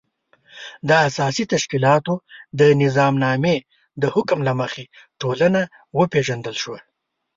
د اساسي تشکیلاتو د نظامنامې د حکم له مخې ټولنه وپېژندل شوه.